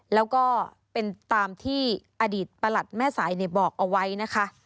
แล้วก็เป็นตามที่อดีตประหลัดแม่สายบอกเอาไว้นะคะ